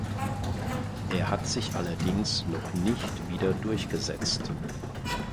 Er hat sich allerdings noch nicht wieder durchgesetzt.